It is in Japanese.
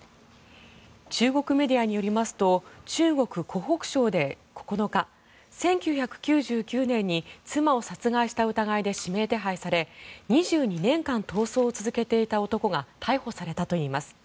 中国メディアによりますと中国・湖北省で９日１９９９年に妻を殺害した疑いで指名手配され２２年間逃走を続けていた男が逮捕されたといいます。